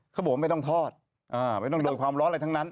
เขาบอกว่าไม่ต้องทอดไม่ต้องโดนความร้อนอะไรทั้งนั้น